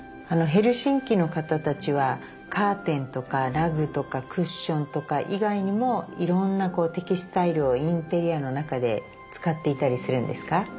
ヘルシンキの方たちはカーテンとかラグとかクッションとか以外にもいろんなテキスタイルをインテリアの中で使っていたりするんですか？